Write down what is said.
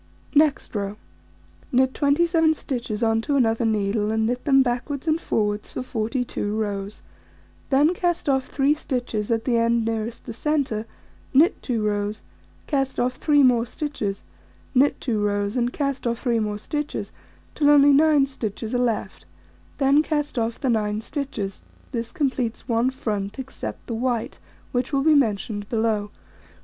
Next row: Knit 27 stitches on to another needle, and knit them backwards and forwards for 42 rows: then cast off 3 stitches at the end nearest the centre, knit 2 rows, cast off 3 more stitches, knit 2 rows, and cast off 3 more stitches, till only 9 stitches are left, then cast off the 9 stitches; this completes 1 front, except the white, which will be mentioned below.